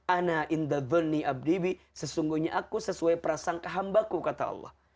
an'a in dhulni abdibi sesungguhnya aku sesuai prasangka hambaku kata allah